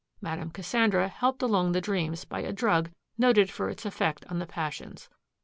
Madame Cassandra helped along the dreams by a drug noted for its effect on the passions.